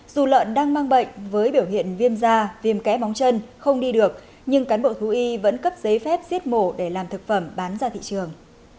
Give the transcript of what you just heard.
dù lợn đang mang bệnh với biểu hiện viêm da viêm kẽ bóng chân không đi được nhưng cán bộ thú y vẫn cấp giấy phép giết mổ để làm thực phẩm bán ra thị trường